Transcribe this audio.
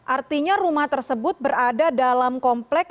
artinya rumah tersebut berada dalam komplek